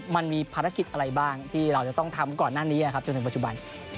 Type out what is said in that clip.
มันมีภารกิจอะไรบ้างที่เราจะต้องทำก่อนหน้านี้จนถึงปัจจุบัน